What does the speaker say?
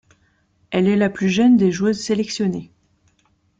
Elle est la plus jeune des joueuses sélectionnées.